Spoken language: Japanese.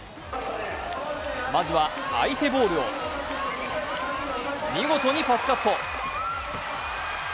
まずは、相手ボールを見事にパスカット。